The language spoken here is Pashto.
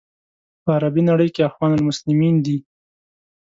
په عربي نړۍ کې اخوان المسلمین دي.